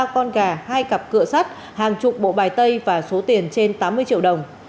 ba con gà hai cặp cửa sắt hàng chục bộ bài tay và số tiền trên tám mươi triệu đồng